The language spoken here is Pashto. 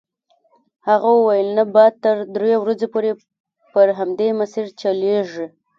هغه وویل نه باد تر دریو ورځو پورې پر همدې مسیر چلیږي.